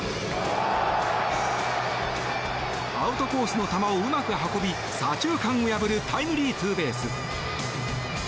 アウトコースの球をうまく運び左中間を破るタイムリーツーベース。